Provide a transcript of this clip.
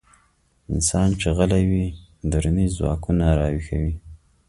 انسان چې غلی وي، دروني ځواکونه راويښوي.